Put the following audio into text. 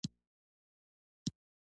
نمکدانۍ ورغړېده.